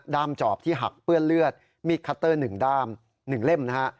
ด้ามจอบที่หักเปื้อนเลือดมีคัตเตอร์หนึ่งด้ามหนึ่งเล่มนะฮะ